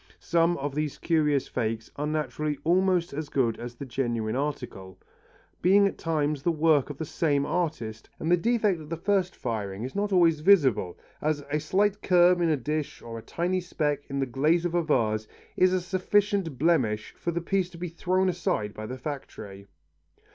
Some of these curious fakes are naturally almost as good as the genuine article, being at times the work of the same artist and the defect of the first firing is not always visible as a slight curve in a dish, or a tiny speck in the glaze of a vase, is a sufficient blemish for the piece to be thrown aside by the factory.